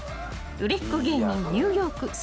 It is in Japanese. ［売れっ子芸人ニューヨーク嶋佐さん